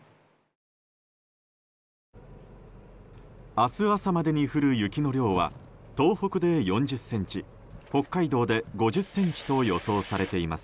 明日朝までに降る雪の量は東北で４０ｃｍ北海道で５０ｃｍと予想されています。